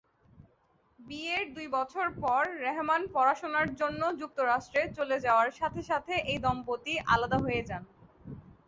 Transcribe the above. বিয়ের দুই বছর পর রেহমান পড়াশোনার জন্য যুক্তরাষ্ট্রে চলে যাওয়ার সাথে সাথে এই দম্পতি আলাদা হয়ে যান।